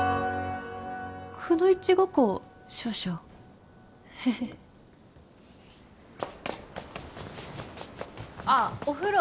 くのいちごっこを少々ヘヘヘああお風呂